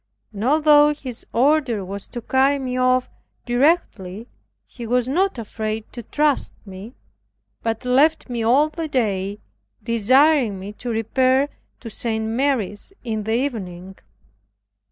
And although his order was to carry me off directly, he was not afraid to trust me, but left me all the day, desiring me to repair to St. Mary's in the evening.